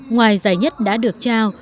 ngoài giải nhất đã được trao